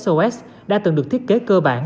sos đã từng được thiết kế cơ bản